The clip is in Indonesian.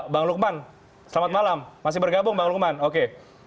bang lukman selamat malam masih bergabung bang lukman oke